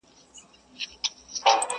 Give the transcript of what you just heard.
په كوڅو كي يې ژوندۍ جنازې ګرځي!.